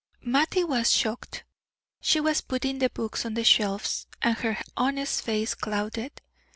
Mattie was shocked. She was putting the books on the shelves, and her honest face clouded.